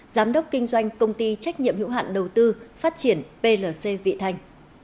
giám đốc kinh doanh công ty trách nhiệm hữu hạn đầu tư phát triển plc vị thanh